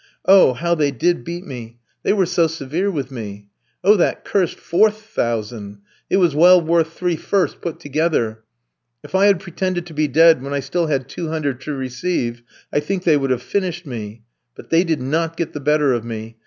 Oh, how they did beat me! They were so severe with me. Oh, that cursed fourth thousand! it was well worth three firsts put together. If I had pretended to be dead when I had still 200 to receive, I think they would have finished me; but they did not get the better of me.